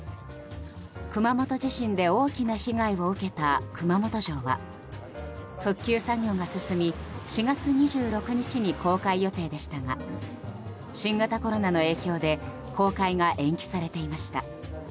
熊本地震で大きな被害を受けた熊本城は復旧作業が進み、４月２６日に公開予定でしたが新型コロナの影響で公開が延期されていました。